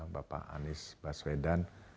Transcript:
bapak anies baswedan